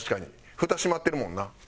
フタ閉まってるもんな。